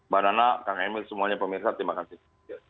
mbak nana kang emil semuanya pemirsa terima kasih